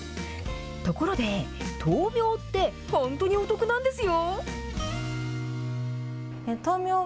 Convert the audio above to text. ところで、とうみょうって、本当にお得なんですよ。